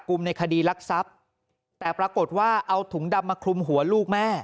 กลุ่มในคดีรักทรัพย์แต่ปรากฏว่าเอาถุงดำมาคลุมหัวลูกแม่